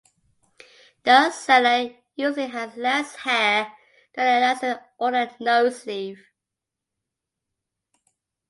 The sella usually has less hair than the lancet or the noseleaf.